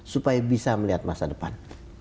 supaya bisa melihat masa depan